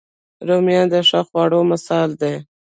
رومیان د ښه خواړه مثال دي